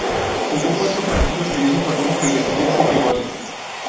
Jugó cuatro partidos en ese torneo y recibió siete goles.